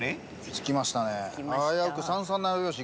つきましたね。